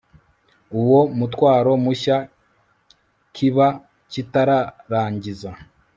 uwo mutwaro mushya Kiba kitararangiza